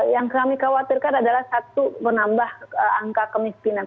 yang kami khawatirkan adalah satu menambah angka kemiskinan